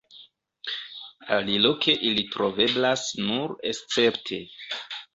Aliloke ili troveblas nur escepte.